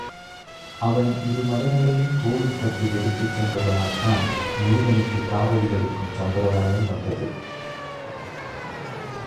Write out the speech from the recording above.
அவன் இரு மலைகளையும் தோளில் கட்டி எடுத்துச் சென்றதனால்தான் முருகனுக்கு காவடி எடுக்கும் சம்பிரதாயம் வந்தது.